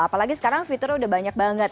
apalagi sekarang fiturnya udah banyak banget